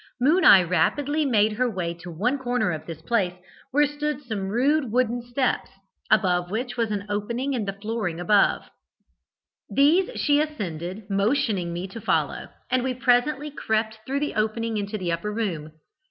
'Moon eye' rapidly made her way to one corner of this place, where stood some rude wooden steps, above which was an opening in the flooring above. These she ascended, motioning me to follow, and we presently crept through the opening into the upper room.